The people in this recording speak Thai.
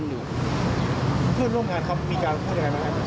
เพื่อนร่วมงานเค้ามีการพวัตรใกล้ไม่ไหรอ